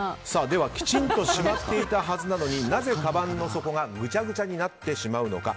ではきちんとしまっていたはずなのになぜかばんの底がぐちゃぐちゃになってしまうのか。